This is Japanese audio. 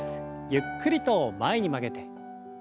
ゆっくりと前に曲げて。